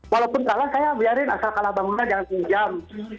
walaupun kalah saya biarin asal kalah bangunan jangan pinjam